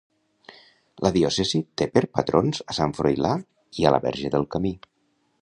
La diòcesi té per patrons a Sant Froilà i a la Verge del Camí.